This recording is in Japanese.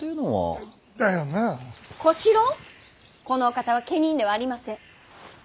このお方は家人ではありません。